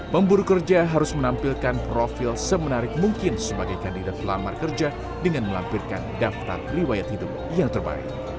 pemburu kerja harus menampilkan profil semenarik mungkin sebagai kandidat pelamar kerja dengan melampirkan daftar riwayat hidup yang terbaik